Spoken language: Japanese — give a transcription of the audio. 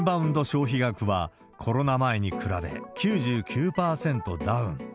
消費額は、コロナ前に比べ９９％ダウン。